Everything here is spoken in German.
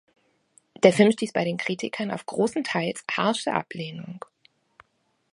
Der Film stieß bei den Kritikern auf großenteils harsche Ablehnung.